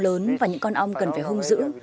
lớn và những con ong cần phải hung giữ